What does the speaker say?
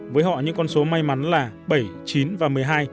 với họ những con số may mắn là bảy chín và một mươi hai